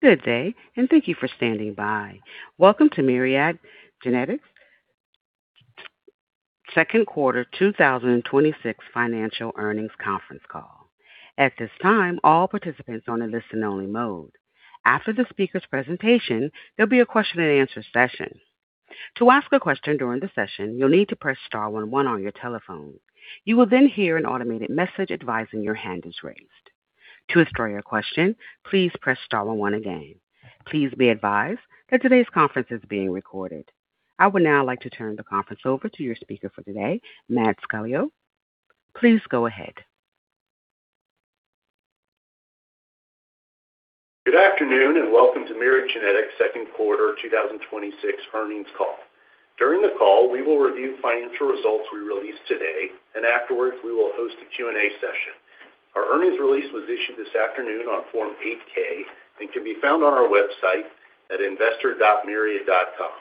Good day, and thank you for standing by. Welcome to Myriad Genetics' Second Quarter 2026 Financial Earnings Conference Call. At this time, all participants are in listen only mode. After the speaker's presentation, there'll be a question and answer session. To ask a question during the session, you'll need to press star one one on your telephone. You will hear an automated message advising your hand is raised. To withdraw your question, please press star one one again. Please be advised that today's conference is being recorded. I would now like to turn the conference over to your speaker for today, Matt Scalo. Please go ahead. Good afternoon, welcome to Myriad Genetics' second quarter 2026 earnings call. During the call, we will review financial results we released today, and afterwards, we will host a Q&A session. Our earnings release was issued this afternoon on Form 8-K and can be found on our website at investor.myriad.com.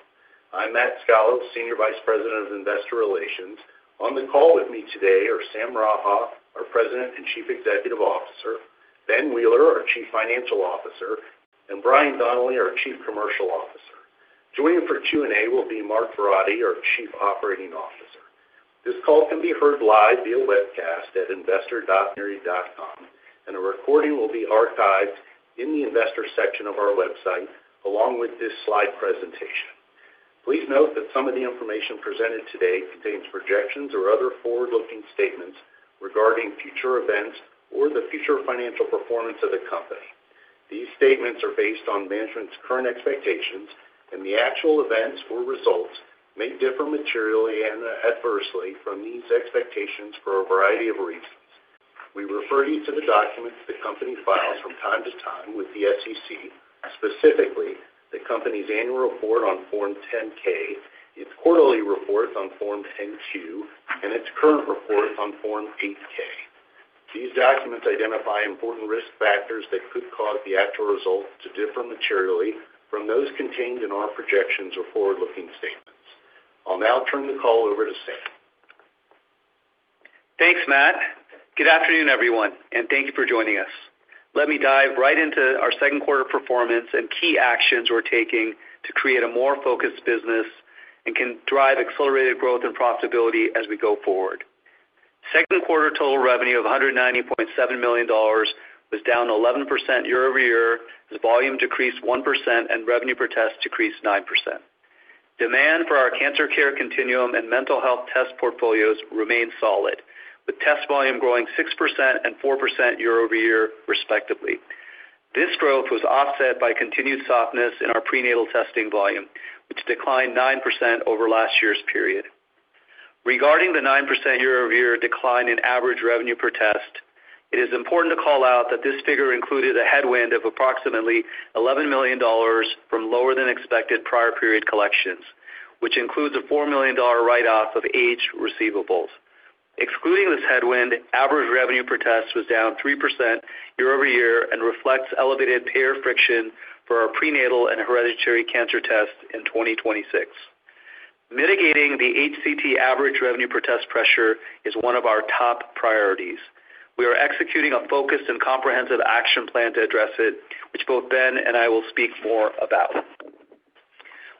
I'm Matt Scalo, Senior Vice President of Investor Relations. On the call with me today are Sam Raha, our President and Chief Executive Officer, Ben Wheeler, our Chief Financial Officer, and Brian Donnelly, our Chief Commercial Officer. Joining for Q&A will be Mark Verratti, our Chief Operating Officer. This call can be heard live via webcast at investor.myriad.com, a recording will be archived in the investor section of our website along with this slide presentation. Please note that some of the information presented today contains projections or other forward-looking statements regarding future events or the future financial performance of the company. These statements are based on management's current expectations. The actual events or results may differ materially and adversely from these expectations for a variety of reasons. We refer you to the documents the company files from time to time with the SEC, specifically the company's annual report on Form 10-K, its quarterly report on Form 10-Q, and its current report on Form 8-K. These documents identify important risk factors that could cause the actual results to differ materially from those contained in our projections or forward-looking statements. I'll now turn the call over to Sam. Thanks, Matt. Good afternoon, everyone, thank you for joining us. Let me dive right into our second quarter performance and key actions we're taking to create a more focused business and can drive accelerated growth and profitability as we go forward. Second quarter total revenue of $190.7 million was down 11% year-over-year, as volume decreased 1% and revenue per test decreased 9%. Demand for our Cancer Care Continuum and mental health test portfolios remained solid, with test volume growing 6% and 4% year-over-year respectively. This growth was offset by continued softness in our prenatal testing volume, which declined 9% over last year's period. Regarding the 9% year-over-year decline in average revenue per test, it is important to call out that this figure included a headwind of approximately $11 million from lower than expected prior period collections, which includes a $4 million write-off of aged receivables. Excluding this headwind, average revenue per test was down 3% year-over-year and reflects elevated payer friction for our prenatal and hereditary cancer tests in 2026. Mitigating the HCT average revenue per test pressure is one of our top priorities. We are executing a focused and comprehensive action plan to address it, which both Ben and I will speak more about.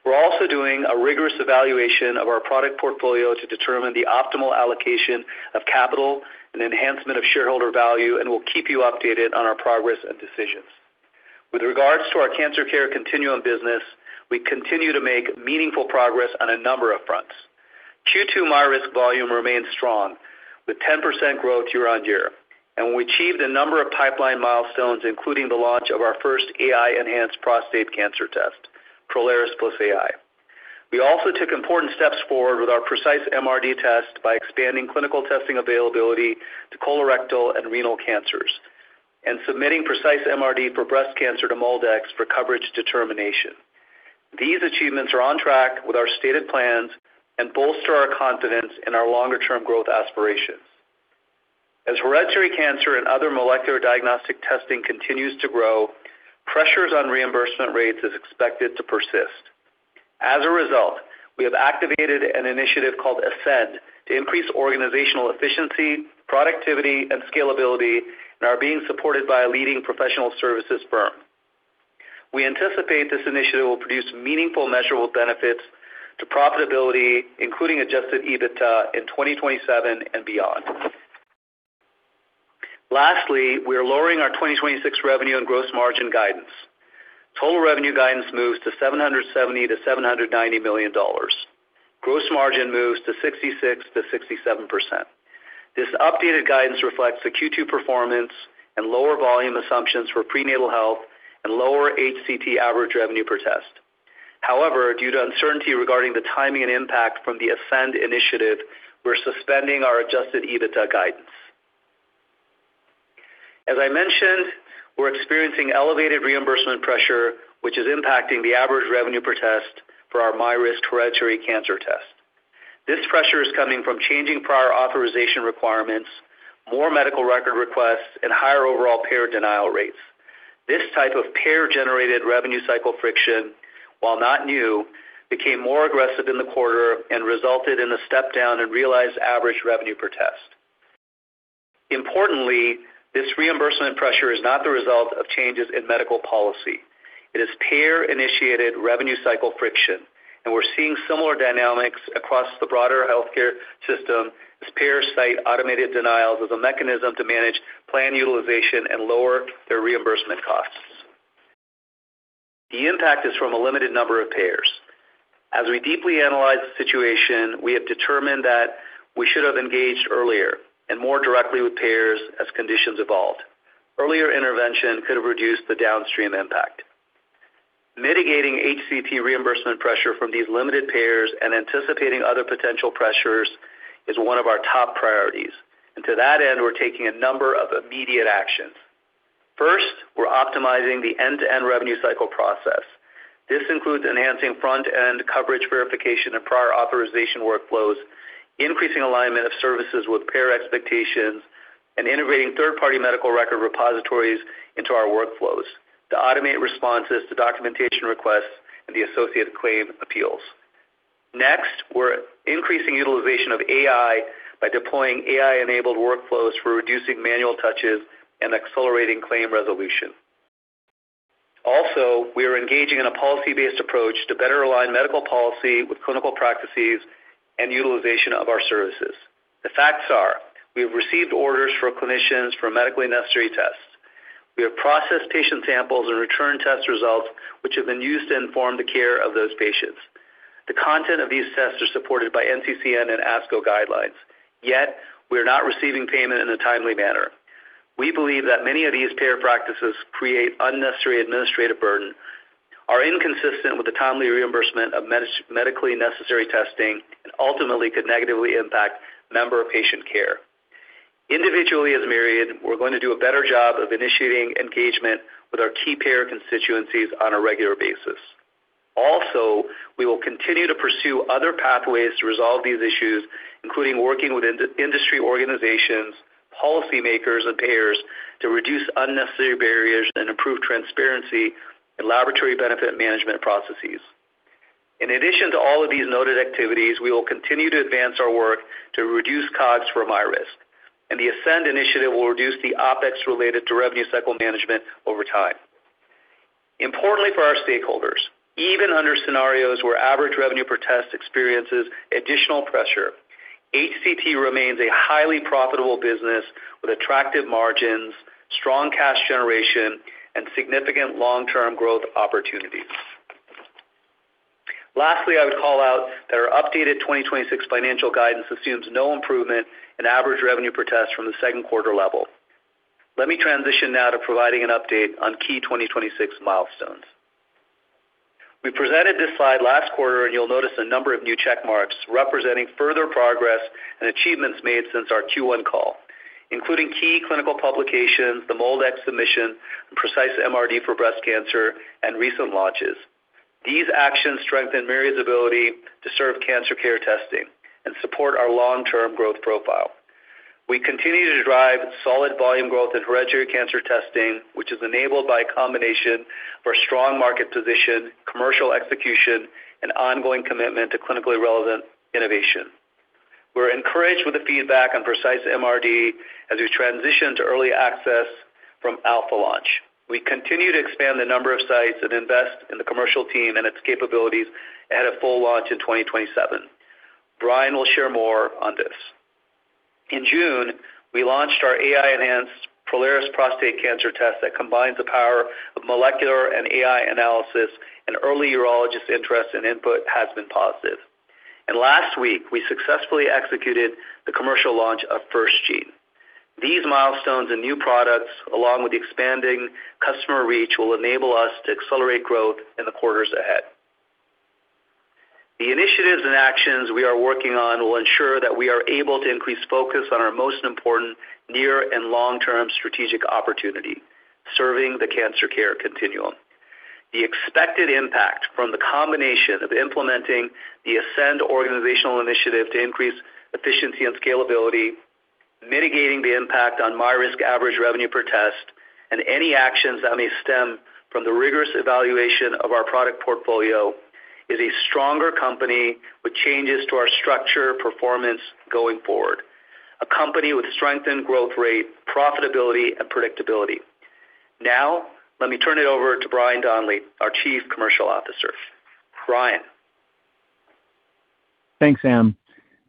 We're also doing a rigorous evaluation of our product portfolio to determine the optimal allocation of capital and enhancement of shareholder value, and we'll keep you updated on our progress and decisions. With regards to our Cancer Care Continuum business, we continue to make meaningful progress on a number of fronts. Q2 MyRisk volume remained strong, with 10% growth year-on-year, and we achieved a number of pipeline milestones, including the launch of our first AI-enhanced prostate cancer test, Prolaris + AI. We also took important steps forward with our Precise MRD Test by expanding clinical testing availability to colorectal and renal cancers and submitting Precise MRD for breast cancer to MolDX for coverage determination. These achievements are on track with our stated plans and bolster our confidence in our longer-term growth aspirations. As hereditary cancer and other molecular diagnostic testing continues to grow, pressures on reimbursement rates is expected to persist. As a result, we have activated an initiative called Ascend to increase organizational efficiency, productivity, and scalability and are being supported by a leading professional services firm. We anticipate this initiative will produce meaningful, measurable benefits to profitability, including adjusted EBITDA in 2027 and beyond. Lastly, we are lowering our 2026 revenue and gross margin guidance. Total revenue guidance moves to $770 million-$790 million. Gross margin moves to 66%-67%. This updated guidance reflects the Q2 performance and lower volume assumptions for prenatal health and lower HCT average revenue per test. However, due to uncertainty regarding the timing and impact from the Ascend initiative, we're suspending our adjusted EBITDA guidance. As I mentioned, we're experiencing elevated reimbursement pressure, which is impacting the average revenue per test for our MyRisk Hereditary Cancer Test. This pressure is coming from changing prior authorization requirements, more medical record requests, and higher overall payer denial rates. This type of payer-generated revenue cycle friction, while not new, became more aggressive in the quarter and resulted in a step-down in realized average revenue per test. Importantly, this reimbursement pressure is not the result of changes in medical policy. It is payer-initiated revenue cycle friction, and we're seeing similar dynamics across the broader healthcare system as payers cite automated denials as a mechanism to manage plan utilization and lower their reimbursement costs. The impact is from a limited number of payers. As we deeply analyze the situation, we have determined that we should have engaged earlier and more directly with payers as conditions evolved. Earlier intervention could have reduced the downstream impact. Mitigating HCP reimbursement pressure from these limited payers and anticipating other potential pressures is one of our top priorities. To that end, we're taking a number of immediate actions. We're optimizing the end-to-end revenue cycle process. This includes enhancing front-end coverage verification and prior authorization workflows, increasing alignment of services with payer expectations, and integrating third-party medical record repositories into our workflows to automate responses to documentation requests and the associated claim appeals. We're increasing utilization of AI by deploying AI-enabled workflows for reducing manual touches and accelerating claim resolution. We are engaging in a policy-based approach to better align medical policy with clinical practices and utilization of our services. The facts are we have received orders for clinicians for medically necessary tests. We have processed patient samples and returned test results, which have been used to inform the care of those patients. The content of these tests are supported by NCCN and ASCO guidelines, yet we are not receiving payment in a timely manner. We believe that many of these payer practices create unnecessary administrative burden, are inconsistent with the timely reimbursement of medically necessary testing, and ultimately could negatively impact member or patient care. Individually, as Myriad, we're going to do a better job of initiating engagement with our key payer constituencies on a regular basis. We will continue to pursue other pathways to resolve these issues, including working with industry organizations, policymakers, and payers to reduce unnecessary barriers and improve transparency in laboratory benefit management processes. In addition to all of these noted activities, we will continue to advance our work to reduce COGS for MyRisk. The Ascend initiative will reduce the OpEx related to revenue cycle management over time. Importantly for our stakeholders, even under scenarios where average revenue per test experiences additional pressure, HCT remains a highly profitable business with attractive margins, strong cash generation, and significant long-term growth opportunities. I would call out that our updated 2026 financial guidance assumes no improvement in average revenue per test from the second quarter level. Let me transition now to providing an update on key 2026 milestones. We presented this slide last quarter, and you'll notice a number of new check marks representing further progress and achievements made since our Q1 call, including key clinical publications, the MolDX submission, and Precise MRD for breast cancer, and recent launches. These actions strengthen Myriad's ability to serve cancer care testing and support our long-term growth profile. We continue to drive solid volume growth in hereditary cancer testing, which is enabled by a combination of our strong market position, commercial execution, and ongoing commitment to clinically relevant innovation. We're encouraged with the feedback on Precise MRD as we transition to early access from alpha launch. We continue to expand the number of sites and invest in the commercial team and its capabilities ahead of full launch in 2027. Brian will share more on this. In June, we launched our AI-enhanced Prolaris prostate cancer test that combines the power of molecular and AI analysis and early urologist interest and input has been positive. Last week, we successfully executed the commercial launch of FirstGene. These milestones and new products, along with the expanding customer reach, will enable us to accelerate growth in the quarters ahead. The initiatives and actions we are working on will ensure that we are able to increase focus on our most important near and long-term strategic opportunity: serving the Cancer Care Continuum. The expected impact from the combination of implementing the Ascend organizational initiative to increase efficiency and scalability, mitigating the impact on MyRisk average revenue per test, and any actions that may stem from the rigorous evaluation of our product portfolio is a stronger company with changes to our structure performance going forward. A company with strengthened growth rate, profitability, and predictability. Let me turn it over to Brian Donnelly, our Chief Commercial Officer. Brian. Thanks, Sam.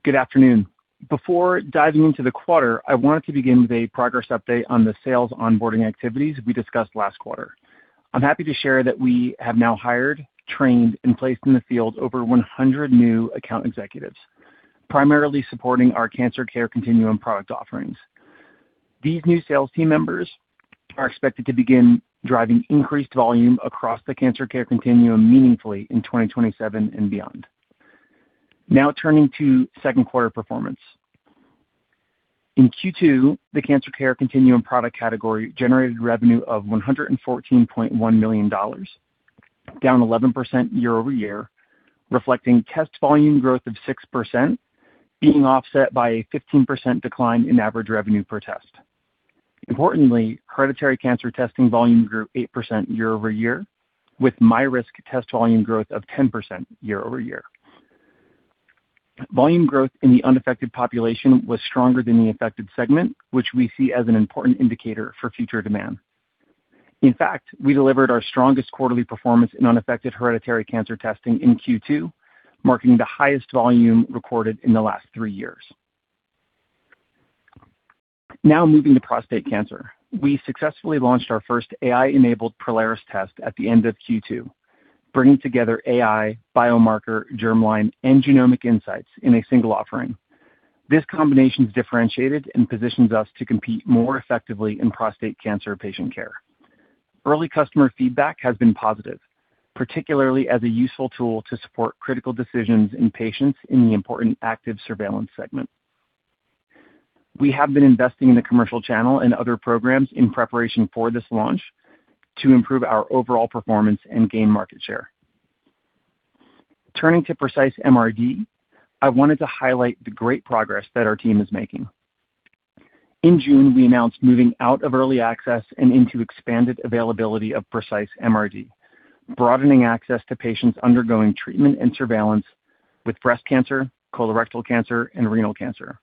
Good afternoon. Before diving into the quarter, I wanted to begin with a progress update on the sales onboarding activities we discussed last quarter. I'm happy to share that we have now hired, trained, and placed in the field over 100 new account executives, primarily supporting our Cancer Care Continuum product offerings. These new sales team members are expected to begin driving increased volume across the Cancer Care Continuum meaningfully in 2027 and beyond. Turning to second quarter performance. In Q2, the Cancer Care Continuum product category generated revenue of $114.1 million, down 11% year-over-year, reflecting test volume growth of 6% being offset by a 15% decline in average revenue per test. Importantly, hereditary cancer testing volume grew 8% year-over-year, with MyRisk test volume growth of 10% year-over-year. Volume growth in the unaffected population was stronger than the affected segment, which we see as an important indicator for future demand. In fact, we delivered our strongest quarterly performance in unaffected hereditary cancer testing in Q2, marking the highest volume recorded in the last three years. Moving to prostate cancer. We successfully launched our first AI-enabled Prolaris test at the end of Q2, bringing together AI, biomarker, germline, and genomic insights in a single offering. This combination's differentiated and positions us to compete more effectively in prostate cancer patient care. Early customer feedback has been positive. Particularly as a useful tool to support critical decisions in patients in the important active surveillance segment. We have been investing in the commercial channel and other programs in preparation for this launch to improve our overall performance and gain market share. Turning to Precise MRD, I wanted to highlight the great progress that our team is making. In June, we announced moving out of early access and into expanded availability of Precise MRD, broadening access to patients undergoing treatment and surveillance with breast cancer, colorectal cancer, and renal cancer.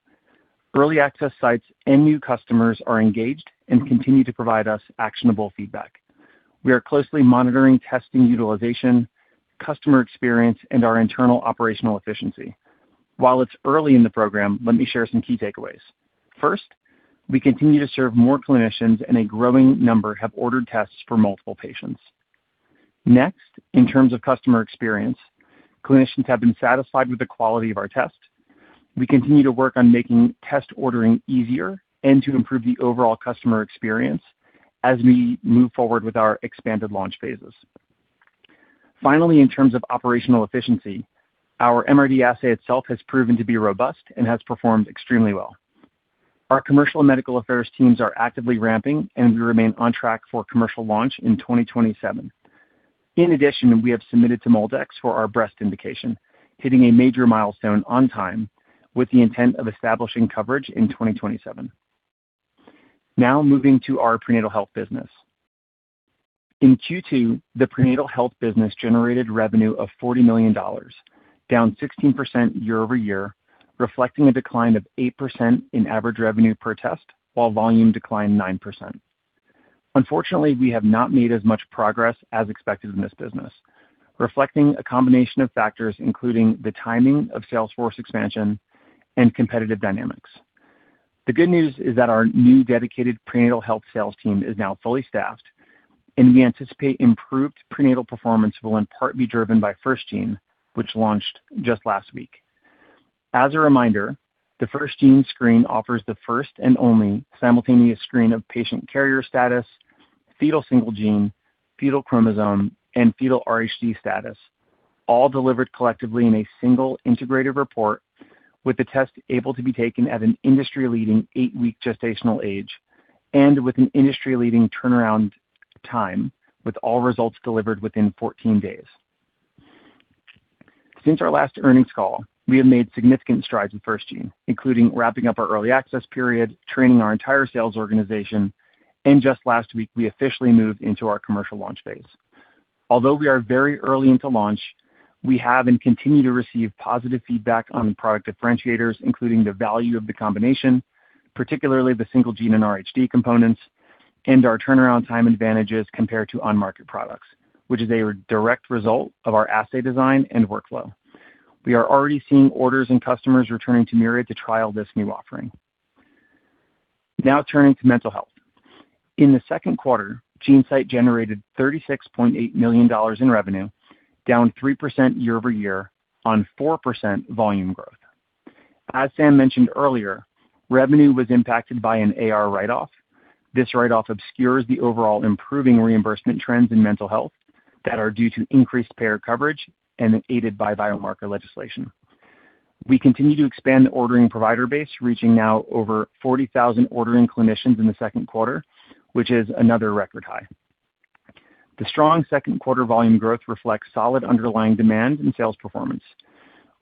Early access sites and new customers are engaged and continue to provide us actionable feedback. We are closely monitoring testing utilization, customer experience, and our internal operational efficiency. While it's early in the program, let me share some key takeaways. First, we continue to serve more clinicians, and a growing number have ordered tests for multiple patients. Next, in terms of customer experience, clinicians have been satisfied with the quality of our test. We continue to work on making test ordering easier and to improve the overall customer experience as we move forward with our expanded launch phases. Finally, in terms of operational efficiency, our MRD assay itself has proven to be robust and has performed extremely well. Our commercial and medical affairs teams are actively ramping, and we remain on track for commercial launch in 2027. In addition, we have submitted to MolDX for our breast indication, hitting a major milestone on time with the intent of establishing coverage in 2027. Now moving to our prenatal health business. In Q2, the prenatal health business generated revenue of $40 million, down 16% year-over-year, reflecting a decline of 8% in average revenue per test, while volume declined 9%. Unfortunately, we have not made as much progress as expected in this business, reflecting a combination of factors, including the timing of sales force expansion and competitive dynamics. The good news is that our new dedicated prenatal health sales team is now fully staffed. We anticipate improved prenatal performance will in part be driven by FirstGene, which launched just last week. As a reminder, the FirstGene screen offers the first and only simultaneous screen of patient carrier status, fetal single gene, fetal chromosome, and fetal RHD status, all delivered collectively in a single integrated report with the test able to be taken at an industry-leading eight-week gestational age, and with an industry-leading turnaround time with all results delivered within 14 days. Since our last earnings call, we have made significant strides in FirstGene, including wrapping up our early access period, training our entire sales organization. Just last week, we officially moved into our commercial launch phase. Although we are very early into launch, we have and continue to receive positive feedback on the product differentiators, including the value of the combination, particularly the single gene and RHD components, and our turnaround time advantages compared to on-market products, which is a direct result of our assay design and workflow. We are already seeing orders and customers returning to Myriad to trial this new offering. Now turning to mental health. In the second quarter, GeneSight generated $36.8 million in revenue, down 3% year-over-year on 4% volume growth. As Sam mentioned earlier, revenue was impacted by an AR write-off. This write-off obscures the overall improving reimbursement trends in mental health that are due to increased payer coverage and aided by biomarker legislation. We continue to expand the ordering provider base, reaching now over 40,000 ordering clinicians in the second quarter, which is another record high. The strong second quarter volume growth reflects solid underlying demand in sales performance.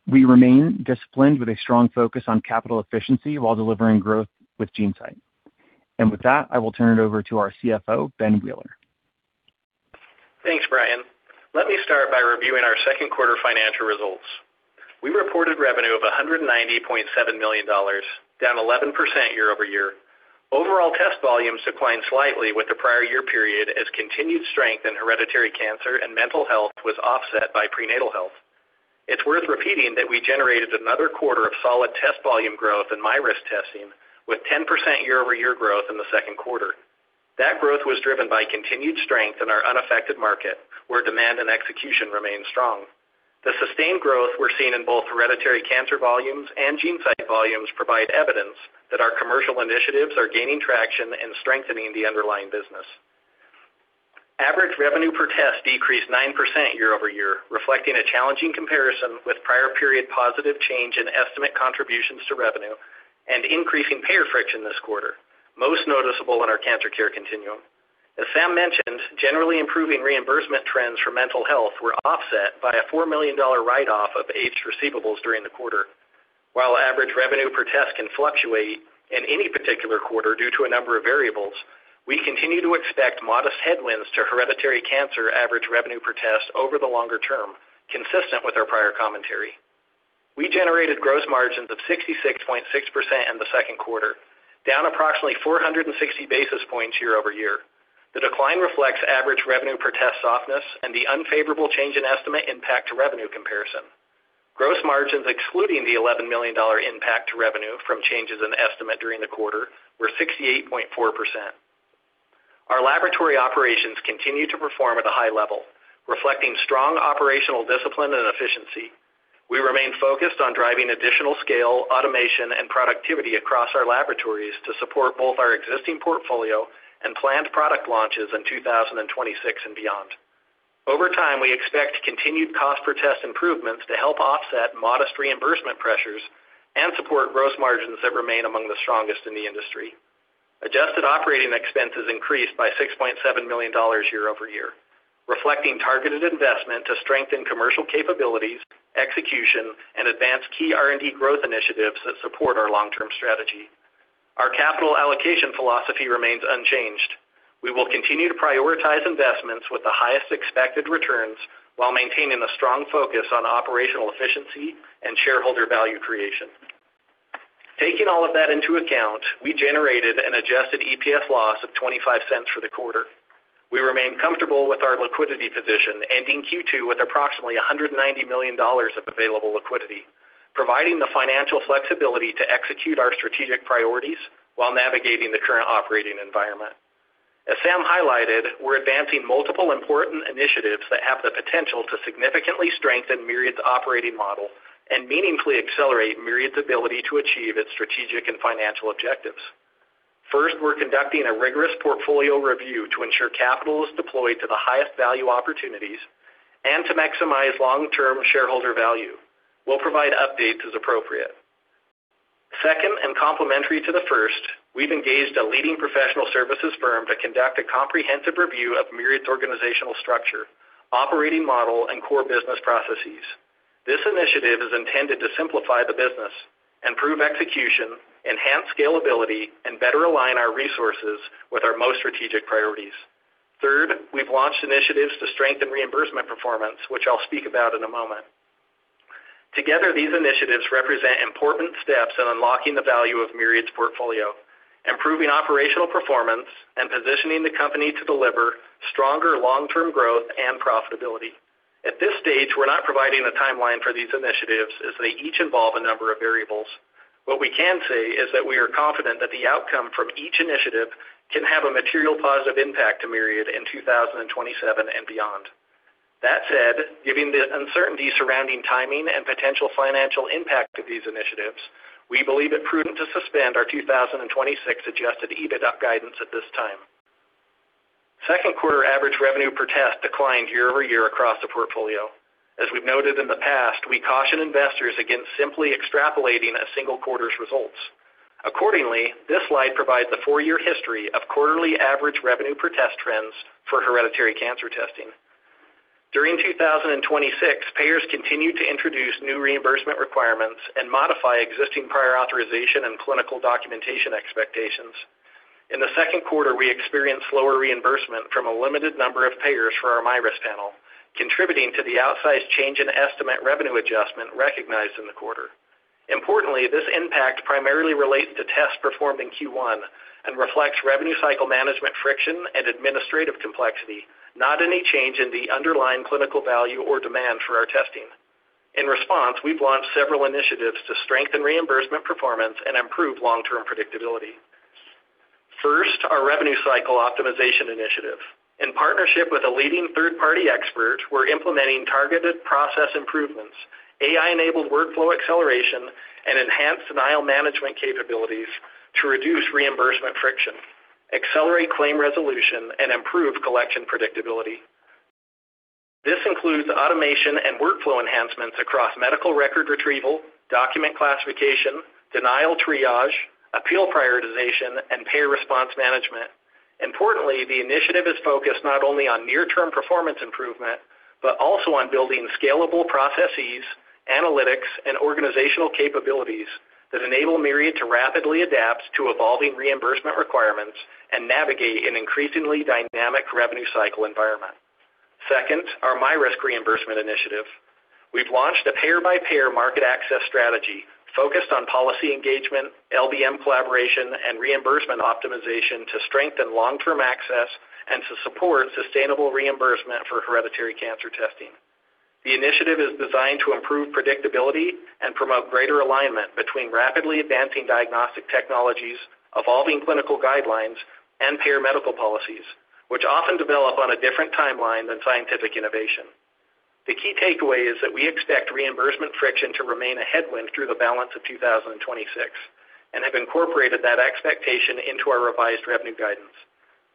We remain disciplined with a strong focus on capital efficiency while delivering growth with GeneSight. With that, I will turn it over to our CFO, Ben Wheeler. Thanks, Brian. Let me start by reviewing our second quarter financial results. We reported revenue of $190.7 million, down 11% year-over-year. Overall test volumes declined slightly with the prior year period as continued strength in hereditary cancer and mental health was offset by prenatal health. It's worth repeating that we generated another quarter of solid test volume growth in MyRisk testing, with 10% year-over-year growth in the second quarter. That growth was driven by continued strength in our unaffected market, where demand and execution remained strong. The sustained growth we're seeing in both hereditary cancer volumes and GeneSight volumes provide evidence that our commercial initiatives are gaining traction and strengthening the underlying business. Average revenue per test decreased 9% year-over-year, reflecting a challenging comparison with prior period positive change in estimate contributions to revenue and increasing payer friction this quarter, most noticeable in our Cancer Care Continuum. As Sam mentioned, generally improving reimbursement trends for mental health were offset by a $4 million write-off of aged receivables during the quarter. While average revenue per test can fluctuate in any particular quarter due to a number of variables, we continue to expect modest headwinds to hereditary cancer average revenue per test over the longer term, consistent with our prior commentary. We generated gross margins of 66.6% in the second quarter, down approximately 460 basis points year-over-year. The decline reflects average revenue per test softness and the unfavorable change in estimate impact to revenue comparison. Gross margins excluding the $11 million impact to revenue from changes in estimate during the quarter were 68.4%. Our laboratory operations continue to perform at a high level, reflecting strong operational discipline and efficiency. We remain focused on driving additional scale, automation, and productivity across our laboratories to support both our existing portfolio and planned product launches in 2026 and beyond. Over time, we expect continued cost per test improvements to help offset modest reimbursement pressures and support gross margins that remain among the strongest in the industry. Adjusted operating expenses increased by $6.7 million year-over-year, reflecting targeted investment to strengthen commercial capabilities, execution, and advance key R&D growth initiatives that support our long-term strategy. Our capital allocation philosophy remains unchanged. We will continue to prioritize investments with the highest expected returns while maintaining a strong focus on operational efficiency and shareholder value creation. Taking all of that into account, we generated an adjusted EPS loss of $0.25 for the quarter. We remain comfortable with our liquidity position, ending Q2 with approximately $190 million of available liquidity, providing the financial flexibility to execute our strategic priorities while navigating the current operating environment. As Sam highlighted, we're advancing multiple important initiatives that have the potential to significantly strengthen Myriad's operating model and meaningfully accelerate Myriad's ability to achieve its strategic and financial objectives. First, we're conducting a rigorous portfolio review to ensure capital is deployed to the highest value opportunities and to maximize long-term shareholder value. We'll provide updates as appropriate. Second, and complementary to the first, we've engaged a leading professional services firm to conduct a comprehensive review of Myriad's organizational structure, operating model, and core business processes. This initiative is intended to simplify the business, improve execution, enhance scalability, and better align our resources with our most strategic priorities. Third, we've launched initiatives to strengthen reimbursement performance, which I'll speak about in a moment. Together, these initiatives represent important steps in unlocking the value of Myriad's portfolio, improving operational performance, and positioning the company to deliver stronger long-term growth and profitability. At this stage, we're not providing a timeline for these initiatives as they each involve a number of variables. What we can say is that we are confident that the outcome from each initiative can have a material positive impact to Myriad in 2027 and beyond. That said, given the uncertainty surrounding timing and potential financial impact of these initiatives, we believe it prudent to suspend our 2026 adjusted EBITDA guidance at this time. Second quarter average revenue per test declined year-over-year across the portfolio. As we've noted in the past, we caution investors against simply extrapolating a single quarter's results. Accordingly, this slide provides a four-year history of quarterly average revenue per test trends for hereditary cancer testing. During 2026, payers continued to introduce new reimbursement requirements and modify existing prior authorization and clinical documentation expectations. In the second quarter, we experienced lower reimbursement from a limited number of payers for our MyRisk panel, contributing to the outsized change in estimate revenue adjustment recognized in the quarter. Importantly, this impact primarily relates to tests performed in Q1 and reflects revenue cycle management friction and administrative complexity, not any change in the underlying clinical value or demand for our testing. In response, we've launched several initiatives to strengthen reimbursement performance and improve long-term predictability. First, our revenue cycle optimization initiative. In partnership with a leading third-party expert, we're implementing targeted process improvements, AI-enabled workflow acceleration, and enhanced denial management capabilities to reduce reimbursement friction, accelerate claim resolution, and improve collection predictability. This includes automation and workflow enhancements across medical record retrieval, document classification, denial triage, appeal prioritization, and payer response management. Importantly, the initiative is focused not only on near-term performance improvement, but also on building scalable processes, analytics, and organizational capabilities that enable Myriad to rapidly adapt to evolving reimbursement requirements and navigate an increasingly dynamic revenue cycle environment. Second, our MyRisk reimbursement initiative. We've launched a payer-by-payer market access strategy focused on policy engagement, LBM collaboration, and reimbursement optimization to strengthen long-term access and to support sustainable reimbursement for hereditary cancer testing. The initiative is designed to improve predictability and promote greater alignment between rapidly advancing diagnostic technologies, evolving clinical guidelines, and payer medical policies, which often develop on a different timeline than scientific innovation. The key takeaway is that we expect reimbursement friction to remain a headwind through the balance of 2026 and have incorporated that expectation into our revised revenue guidance.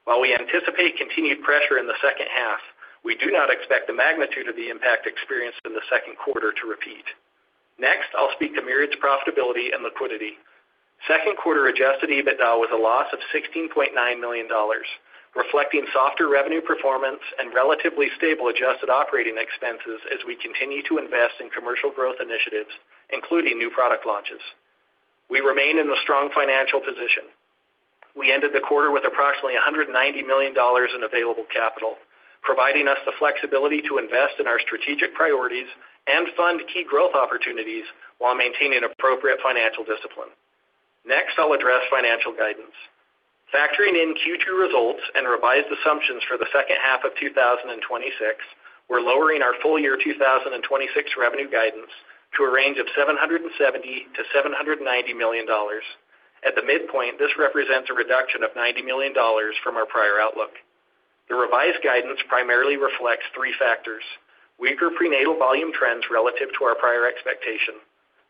While we anticipate continued pressure in the second half, we do not expect the magnitude of the impact experienced in the second quarter to repeat. Next, I'll speak to Myriad's profitability and liquidity. Second quarter adjusted EBITDA was a loss of $16.9 million, reflecting softer revenue performance and relatively stable adjusted operating expenses as we continue to invest in commercial growth initiatives, including new product launches. We remain in a strong financial position. We ended the quarter with approximately $190 million in available capital, providing us the flexibility to invest in our strategic priorities and fund key growth opportunities while maintaining appropriate financial discipline. I'll address financial guidance. Factoring in Q2 results and revised assumptions for the second half of 2026, we're lowering our full year 2026 revenue guidance to a range of $770 million-$790 million. At the midpoint, this represents a reduction of $90 million from our prior outlook. The revised guidance primarily reflects three factors: weaker prenatal volume trends relative to our prior expectation,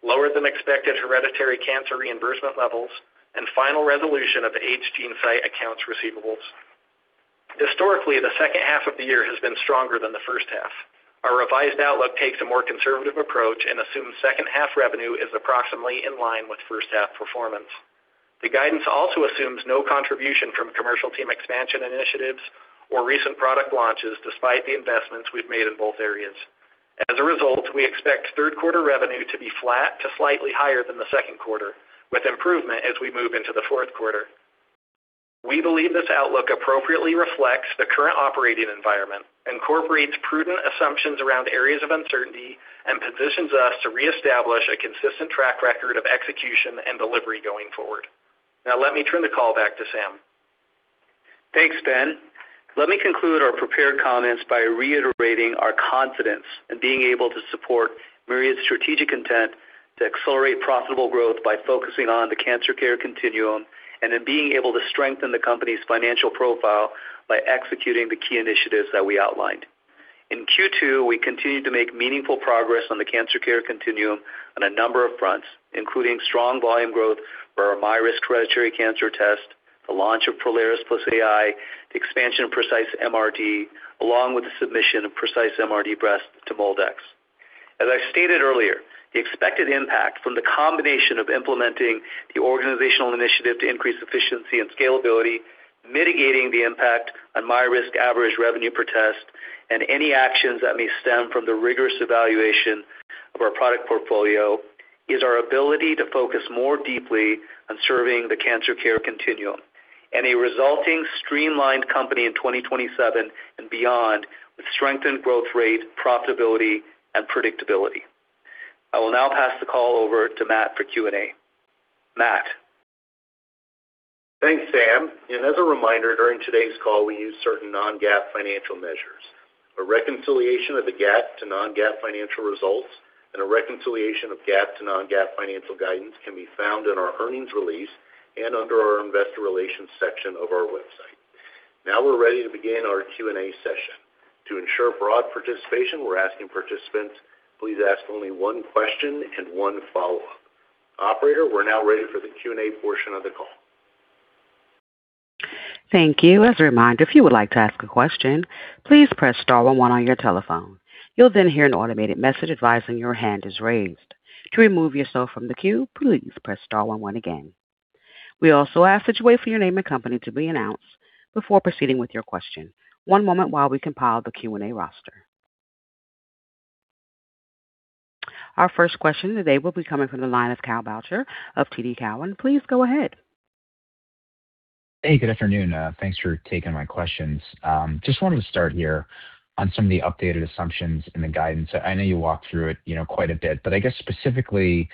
lower than expected hereditary cancer reimbursement levels, and final resolution of the GeneSight accounts receivables. Historically, the second half of the year has been stronger than the first half. Our revised outlook takes a more conservative approach and assumes second half revenue is approximately in line with first half performance. The guidance also assumes no contribution from commercial team expansion initiatives or recent product launches, despite the investments we've made in both areas. As a result, we expect third quarter revenue to be flat to slightly higher than the second quarter, with improvement as we move into the fourth quarter. We believe this outlook appropriately reflects the current operating environment, incorporates prudent assumptions around areas of uncertainty, and positions us to reestablish a consistent track record of execution and delivery going forward. Let me turn the call back to Sam. Thanks, Ben. Let me conclude our prepared comments by reiterating our confidence in being able to support Myriad's strategic intent to accelerate profitable growth by focusing on the Cancer Care Continuum, and in being able to strengthen the company's financial profile by executing the key initiatives that we outlined. In Q2, we continued to make meaningful progress on the Cancer Care Continuum on a number of fronts, including strong volume growth for our MyRisk Hereditary Cancer Test, the launch of Prolaris + AI, the expansion of Precise MRD, along with the submission of Precise MRD Breast to MolDX. As I stated earlier, the expected impact from the combination of implementing the organizational initiative to increase efficiency and scalability, mitigating the impact on MyRisk average revenue per test, and any actions that may stem from the rigorous evaluation of our product portfolio, is our ability to focus more deeply on serving the Cancer Care Continuum and a resulting streamlined company in 2027 and beyond with strengthened growth rate, profitability, and predictability. I will pass the call over to Matt for Q&A. Matt. Thanks, Sam. As a reminder, during today's call, we use certain non-GAAP financial measures. A reconciliation of the GAAP to non-GAAP financial results and a reconciliation of GAAP to non-GAAP financial guidance can be found in our earnings release and under our investor relations section of our website. We're ready to begin our Q&A session. To ensure broad participation, we're asking participants, please ask only one question and one follow-up. Operator, we're now ready for the Q&A portion of the call. Thank you. As a reminder, if you would like to ask a question, please press star one one on your telephone. You'll hear an automated message advising your hand is raised. To remove yourself from the queue, please press star one one again. We also ask that you wait for your name and company to be announced before proceeding with your question. One moment while we compile the Q&A roster. Our first question today will be coming from the line of Kyle Boucher of TD Cowen. Please go ahead. Hey, good afternoon. Thanks for taking my questions. Just wanted to start here on some of the updated assumptions in the guidance. I know you walked through it quite a bit, but I guess specifically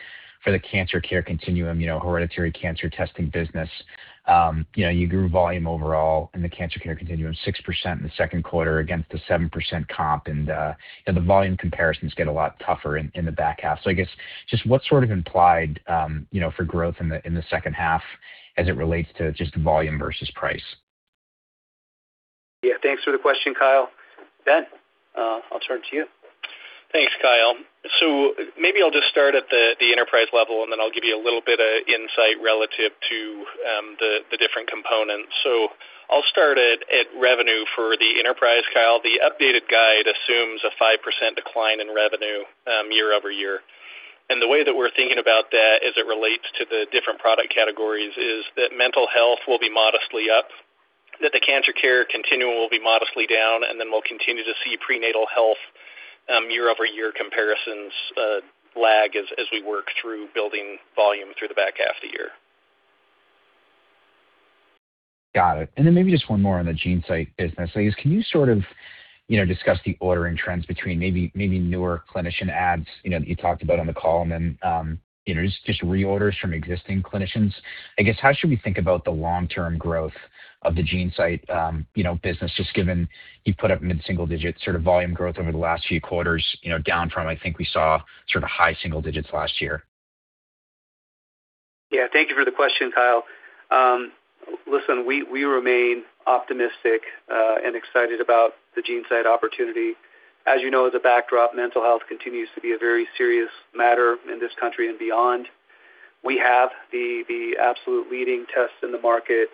for the Cancer Care Continuum, hereditary cancer testing business. You grew volume overall in the Cancer Care Continuum 6% in the second quarter against the 7% comp. The volume comparisons get a lot tougher in the back half. I guess, just what's sort of implied for growth in the second half as it relates to just volume versus price? Yeah, thanks for the question, Kyle. Ben, I'll turn to you. Thanks, Kyle. Maybe I'll just start at the enterprise level and then I'll give you a little bit of insight relative to the different components. I'll start at revenue for the enterprise, Kyle. The updated guide assumes a 5% decline in revenue year-over-year. The way that we're thinking about that as it relates to the different product categories is that mental health will be modestly up, that the Cancer Care Continuum will be modestly down, and then we'll continue to see prenatal health year-over-year comparisons lag as we work through building volume through the back half of the year. Got it. Maybe just one more on the GeneSight business. Can you sort of discuss the ordering trends between maybe newer clinician adds that you talked about on the call and then just reorders from existing clinicians? How should we think about the long-term growth of the GeneSight business, just given you've put up mid-single digit sort of volume growth over the last few quarters, down from, I think we saw sort of high single digits last year? Yeah. Thank you for the question, Kyle. Listen, we remain optimistic and excited about the GeneSight opportunity. As you know, as a backdrop, mental health continues to be a very serious matter in this country and beyond. We have the absolute leading tests in the market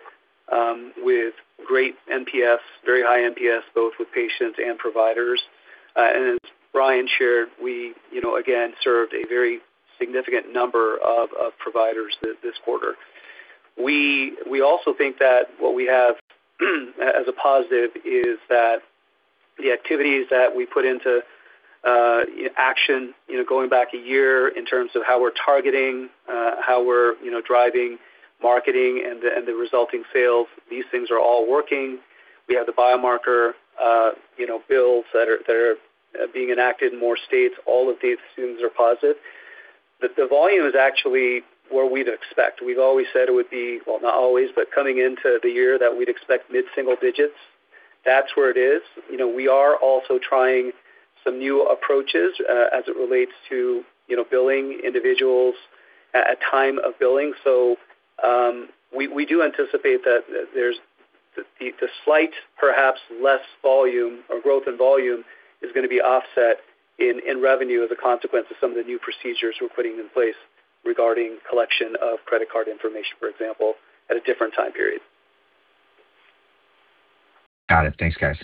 With great NPS, very high NPS, both with patients and providers. As Brian shared, we again served a very significant number of providers this quarter. We also think that what we have as a positive is that the activities that we put into action going back a year in terms of how we're targeting, how we're driving marketing and the resulting sales, these things are all working. We have the biomarker bills that are being enacted in more states. All of these things are positive. The volume is actually where we'd expect. We've always said it would be, well, not always, but coming into the year that we'd expect mid-single digits. That's where it is. We are also trying some new approaches as it relates to billing individuals at time of billing. We do anticipate that the slight, perhaps less volume or growth in volume is going to be offset in revenue as a consequence of some of the new procedures we're putting in place regarding collection of credit card information, for example, at a different time period. Got it. Thanks, guys.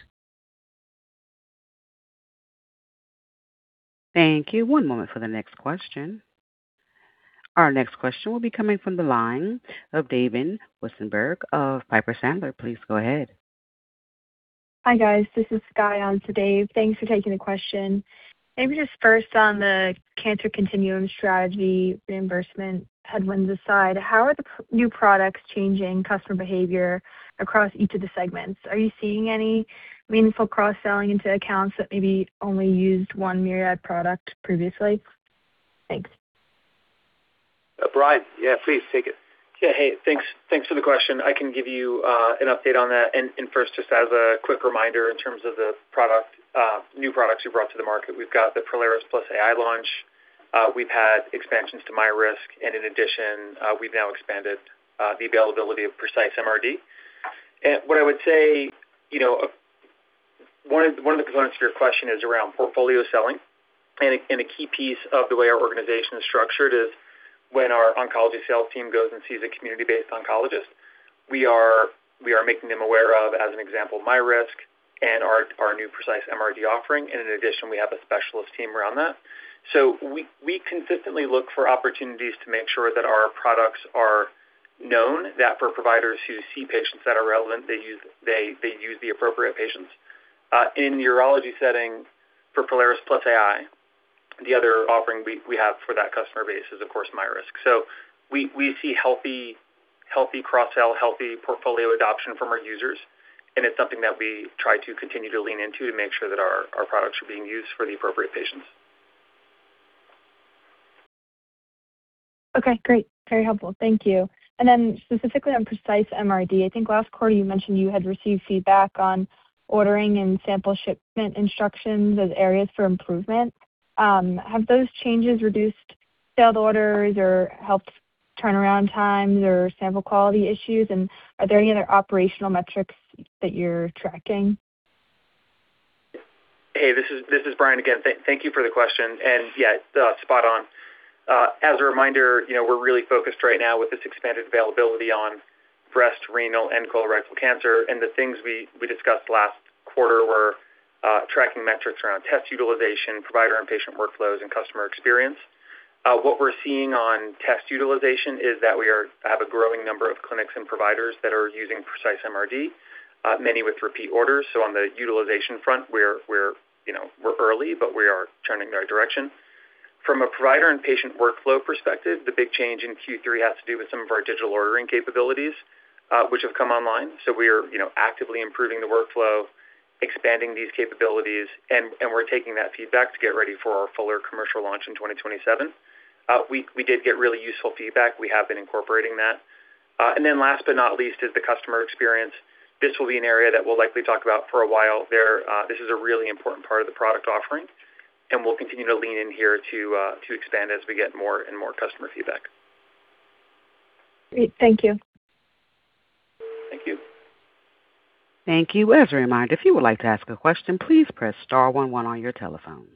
Thank you. One moment for the next question. Our next question will be coming from the line of David Westenberg of Piper Sandler. Please go ahead. Hi, guys. This is Sky on for Dave. Thanks for taking the question. Maybe just first on the Cancer Care Continuum strategy reimbursement headwinds aside, how are the new products changing customer behavior across each of the segments? Are you seeing any meaningful cross-selling into accounts that maybe only used one Myriad product previously? Thanks. Brian. Yeah, please take it. Thanks for the question. I can give you an update on that. First, just as a quick reminder, in terms of the new products we've brought to the market, we've got the Prolaris + AI launch, we've had expansions to MyRisk, and in addition, we've now expanded the availability of Precise MRD. What I would say, one of the components of your question is around portfolio selling. A key piece of the way our organization is structured is when our oncology sales team goes and sees a community-based oncologist, we are making them aware of, as an example, MyRisk and our new Precise MRD offering, and in addition, we have a specialist team around that. We consistently look for opportunities to make sure that our products are known, that for providers who see patients that are relevant, they use the appropriate patients. In the urology setting for Prolaris + AI, the other offering we have for that customer base is, of course, MyRisk. We see healthy cross-sell, healthy portfolio adoption from our users, and it's something that we try to continue to lean into to make sure that our products are being used for the appropriate patients. Very helpful. Thank you. Then specifically on Precise MRD, I think last quarter you mentioned you had received feedback on ordering and sample shipment instructions as areas for improvement. Have those changes reduced failed orders or helped turnaround times or sample quality issues? Are there any other operational metrics that you're tracking? This is Brian again. Thank you for the question. Spot on. As a reminder, we're really focused right now with this expanded availability on breast, renal, and colorectal cancer. The things we discussed last quarter were tracking metrics around test utilization, provider and patient workflows, and customer experience. What we're seeing on test utilization is that we have a growing number of clinics and providers that are using Precise MRD, many with repeat orders. On the utilization front, we're early, but we are turning in the right direction. From a provider and patient workflow perspective, the big change in Q3 has to do with some of our digital ordering capabilities, which have come online. We're actively improving the workflow, expanding these capabilities, and we're taking that feedback to get ready for our fuller commercial launch in 2027. We did get really useful feedback. We have been incorporating that. Last but not least is the customer experience. This will be an area that we'll likely talk about for a while. This is a really important part of the product offering, and we'll continue to lean in here to expand as we get more and more customer feedback. Great. Thank you. Thank you. Thank you. As a reminder, if you would like to ask a question, please press star one one on your telephone.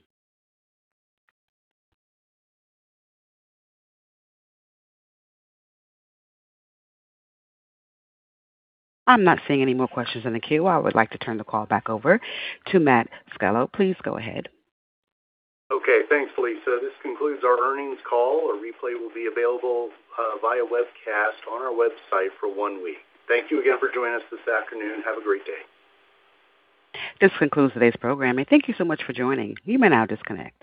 I'm not seeing any more questions in the queue. I would like to turn the call back over to Matt Scalo. Please go ahead. Okay, thanks, Lisa. This concludes our earnings call. A replay will be available via webcast on our website for one week. Thank you again for joining us this afternoon. Have a great day. This concludes today's program, and thank you so much for joining. You may now disconnect.